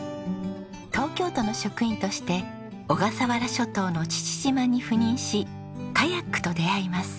東京都の職員として小笠原諸島の父島に赴任しカヤックと出会います。